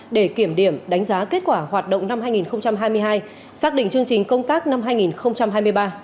để kiểm điểm đánh giá kết quả hoạt động năm hai nghìn hai mươi hai xác định chương trình công tác năm hai nghìn hai mươi ba